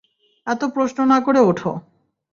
এত প্রশ্ন না করে ওঠো।